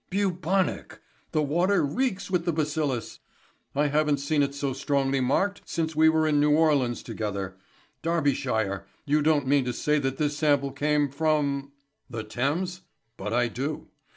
"Bubonic! The water reeks with the bacillus! I haven't seen it so strongly marked since we were in New Orleans together. Darbyshire, you don't mean to say that this sample came from " "The Thames? But I do.